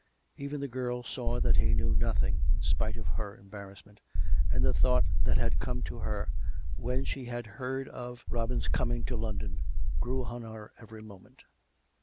Even the girl saw that he knew nothing, in spite of her embarrassment, and the thought that had come to her when she had heard of Robin's coming to London grew on her every moment.